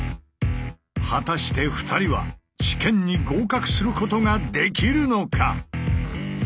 果たして２人は試験に合格することができるのか？